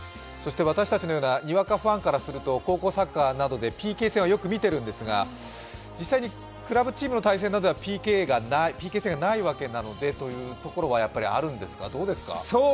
私たちのようなにわかファンからすると高校サッカーなどでＰＫ戦はよく見ているんですが、実際クラブチームなどではＰＫ戦がないわけなのでというところは、やはりあるんですか？